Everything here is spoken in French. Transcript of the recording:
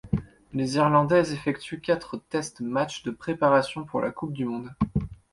Les Irlandais effectuent quatre test matchs de préparation pour la coupe du monde.